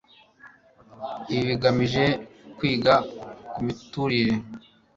ibi bigamije kwiga ku miturire